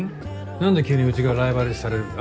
何で急にうちがライバル視されるんだ？